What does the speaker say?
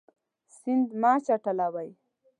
سیند مه چټلوئ.